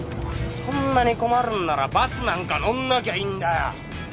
そんなに困るんならバスなんか乗んなきゃいいんだよ。